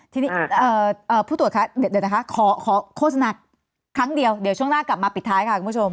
ทีนี้ผู้ตรวจคะเดี๋ยวนะคะขอโฆษณาครั้งเดียวเดี๋ยวช่วงหน้ากลับมาปิดท้ายค่ะคุณผู้ชม